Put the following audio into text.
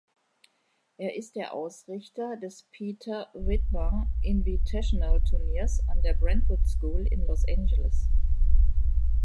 Er ist der Ausrichter des "Peter-Vidmar-Invitational"-Turniers an der "Brentwood School" in Los Angeles.